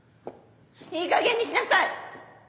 いいかげんにしなさい！